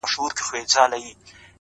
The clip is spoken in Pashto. دطالع ستوری دي لوړ د لوی سلطان وي٫